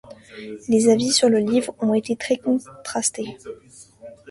Les avis sur le livre ont été très contrastés.